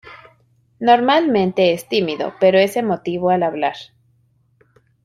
Normalmente es tímido pero es emotivo al hablar.